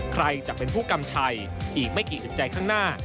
ใครจะเป็นผู้กำชัยอีกไม่กี่อึดใจข้างหน้า